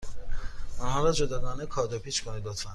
آنها را جداگانه کادو پیچ کنید، لطفا.